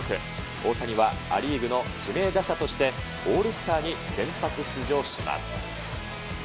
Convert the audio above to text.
大谷はア・リーグの指名打者として、オールスターに先発出場します。